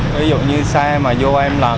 ví dụ như xe mà vô em làm